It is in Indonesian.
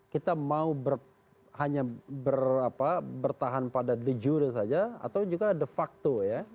kita mau hanya bertahan pada the jurus saja atau juga de facto